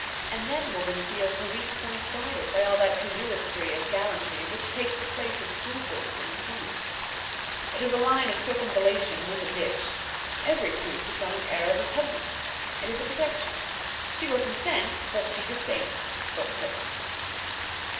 And then woman feels her weak point guarded by all that casuistry of gallantry which takes the place of scruples in prudes. It is a line of circumvallation with a ditch. Every prude puts on an air of repugnance. It is a protection. She will consent, but she disdains for the present.